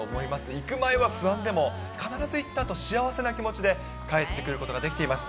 行く前は不安でも、必ず行ったあと、幸せな気持ちで帰ってくることができています。